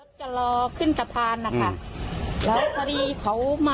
รถรถหลอกขึ้นสะพานนะครับ